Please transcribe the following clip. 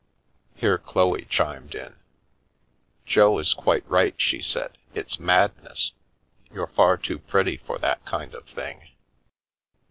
Here Chloe chimed in. " Jo is quite right," she said, " it's madness. You're far too pretty for that kind of thing."